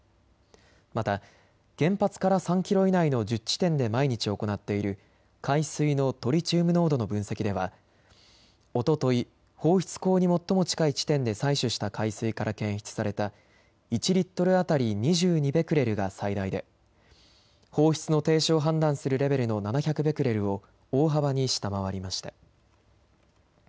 また原発から３キロ以内の１０地点で毎日行っている海水のトリチウム濃度の分析ではおととい放出口に最も近い地点で採取した海水から検出された１リットル当たり２２ベクレルが最大で放出の停止を判断するレベルの７００ベクレルを大幅に下回りました。